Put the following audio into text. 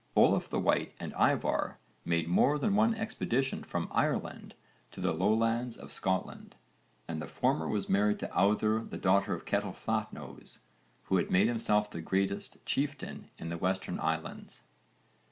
Olaf the White and Ívarr made more than one expedition from Ireland to the lowlands of Scotland, and the former was married to Auðr the daughter of Ketill Flatnose who had made himself the greatest chieftain in the Western Islands.